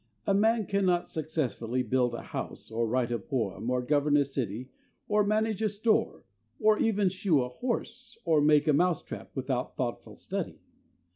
A man cannot successfully build a house, or write a poem, or govern a city, or manage a store, or even shoe a horse or make a mouse trap without thoughtful study.